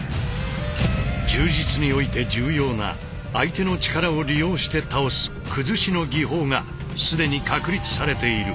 柔術において重要な相手の力を利用して倒す崩しの技法が既に確立されている。